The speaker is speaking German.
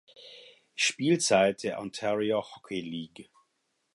Spielzeit der Ontario Hockey League.